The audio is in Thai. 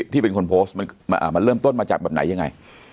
ที่เป็นคนโพสต์มันเริ่มต้นมาจากแบบไหนยังไง